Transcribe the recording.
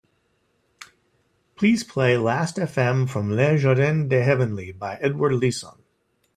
Please play Last Fm from Le Jardin De Heavenly by Edward Leeson